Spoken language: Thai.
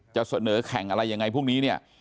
จะเสนอแข่งอะไรยังไงพวกนี้เนี่ย